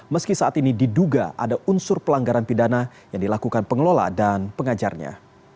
meski saat ini diduga ada unsur pelanggaran pidana yang dilakukan pengelola dan pengajarnya